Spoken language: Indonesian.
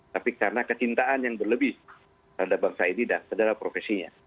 tapi karena kecintaan yang berlebih terhadap bangsa ini dan terhadap profesi ini